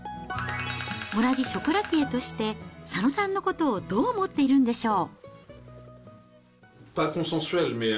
同じショコラティエとして、佐野さんのことをどう思っているんでしょう。